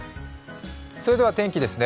それでは天気ですね。